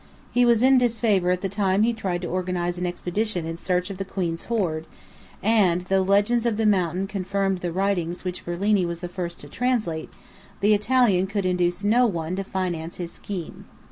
He was in disfavour at the time he tried to organize an expedition in search of the queen's hoard, and though legends of the mountain confirmed the writings which Ferlini was the first to translate, the Italian could induce no one to finance his scheme.